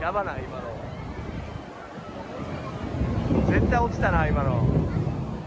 絶対落ちたな今の。